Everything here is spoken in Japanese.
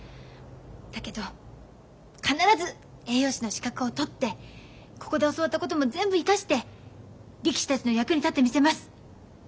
だけど必ず栄養士の資格を取ってここで教わったことも全部生かして力士たちの役に立ってみせます。